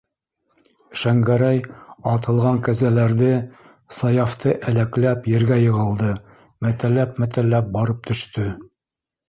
Шәңгәрәй «атылған» кәзәләрҙе, Саяфты әләкләп ергә йығылды, мәтәлләп-мәтәлләп барып төштө.